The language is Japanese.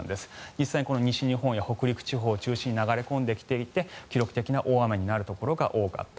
実際、西日本や北陸地方を中心に流れ込んできていて記録的な大雨になるところが多かった。